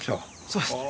そうですね。